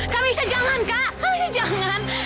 kamisya jangan kak kamisya jangan